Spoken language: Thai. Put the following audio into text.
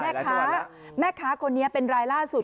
ค่ะแล้วชะวันละมีแม่ค้าคนนี้เป็นรายล่าสุด